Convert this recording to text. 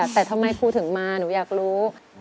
แต่ทำไมครูถึงมาหนูอยากรู้